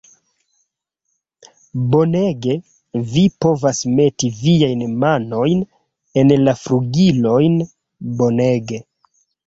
Bonege, vi povas meti viajn manojn en la flugilojn. Bonege!